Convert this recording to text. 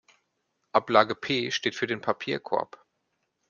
Ablage P steht für den Papierkorb!